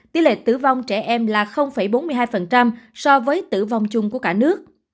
tỷ lệ tử vong trẻ em là bốn mươi hai so với tử vong chung của cả nước